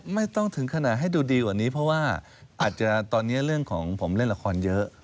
ไม่ต้องถึงขนาดให้ดูดีกว่านี้เพราะว่าอาจจะตอนนี้เรื่องของผมเล่นละครเยอะ